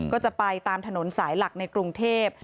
ก็จะไปตามถนนสายหลักในกรุงเทพ